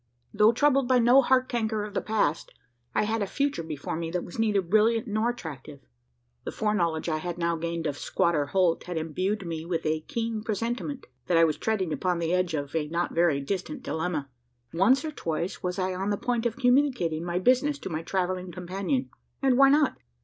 Though troubled by no heart canker of the past, I had a future before me that was neither brilliant nor attractive. The foreknowledge I had now gained of squatter Holt, had imbued me with a keen presentiment, that I was treading upon the edge of a not very distant dilemma. Once, or twice, was I on the point of communicating my business to my travelling companion; and why not?